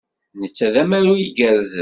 Netta d amaru igerrzen.